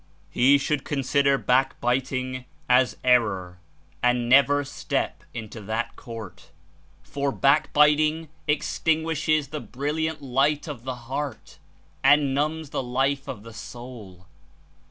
"He should consider backbiting as error and never step into that court, for backbiting extinguishes the brilliant light of the heart and numbs the life of the soul.